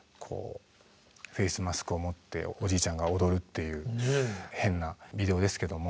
フェースマスクを持っておじいちゃんが踊るっていう変なビデオですけども。